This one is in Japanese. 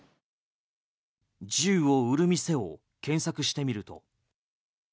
銃を売る店を検索してみると。